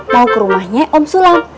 mau ke rumahnya om sulam